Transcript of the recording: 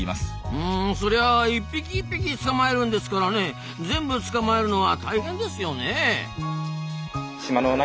うんそりゃ１匹１匹捕まえるんですからね全部捕まえるのは大変ですよねえ。